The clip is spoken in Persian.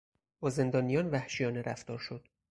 با زندانیان وحشیانه رفتار شد.